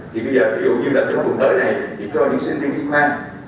thì bây giờ ví dụ như là trong vùng tới này thì cho những sinh viên y hai